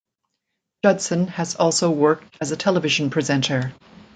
Judson has also worked as a television presenter.